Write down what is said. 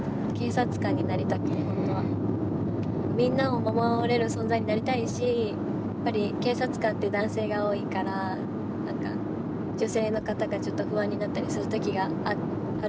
みんなを守れる存在になりたいしやっぱり警察官って男性が多いから何か女性の方がちょっと不安になったりする時があると思うので。